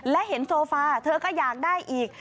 และเห็นโซฟาเธอก็อยากได้อีก